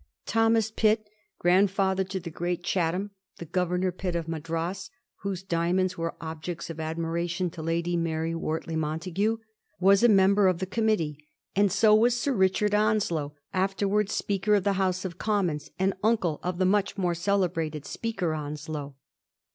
Thomas Pitt, grandfather to the great Chatham, the 'Grovernor Pitt' of Madras, whose diamonds were objects of admiration to Lady Mary Wordey Montagu, was a member of the committee; and so was Sir Richard Onslow, after wards Speaker of the House of Commons, and uncle of the much more celebrated ' Speaker Onslow.'